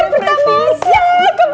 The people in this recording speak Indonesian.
pertama usia ke puncak